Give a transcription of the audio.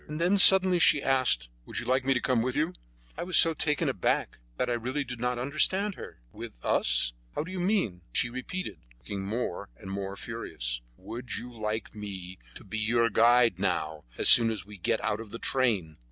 And then she suddenly asked: "Would you like me to come with you?" I was so taken aback that I really did not understand her. "With us? How do you mean?" She repeated, looking more and more furious: "Would you like me to be your guide now, as soon as we get out of the train?"